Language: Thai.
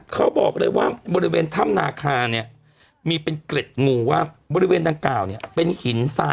เขาบอกเลยว่าบริเวณถ้ำนาคาเนี่ยมีเป็นเกล็ดงูว่าบริเวณดังกล่าวเนี่ยเป็นหินทราย